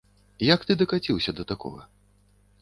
Як ты дакаціўся да такога?